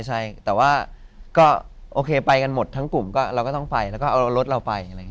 ใช่แต่ว่าก็โอเคไปกันหมดทั้งกลุ่มก็เราก็ต้องไปแล้วก็เอารถเราไปอะไรอย่างนี้